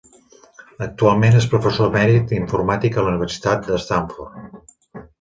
Actualment, és professor emèrit d'informàtica a la Universitat de Stanford.